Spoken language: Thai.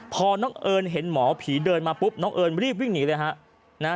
พอน้องเอิญเห็นหมอผีเดินมาปุ๊บน้องเอิญรีบวิ่งหนีเลยฮะนะฮะ